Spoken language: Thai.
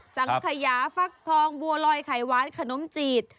สังขยาฟักทองบัวลอยไข่หวานขนมจีด